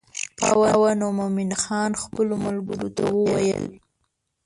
شپه وه نو مومن خان خپلو ملګرو ته وویل.